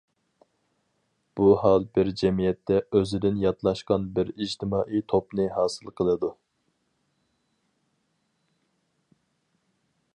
بۇ ھال بىر جەمئىيەتتە ئۆزىدىن ياتلاشقان بىر ئىجتىمائىي توپنى ھاسىل قىلىدۇ.